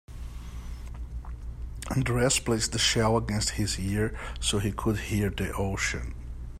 Andreas placed the shell against his ear so he could hear the ocean.